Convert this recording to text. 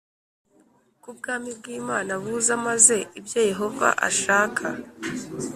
ko Ubwami bw Imana buza maze ibyo Yehova ashaka